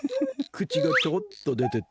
くちがちょっとでてて。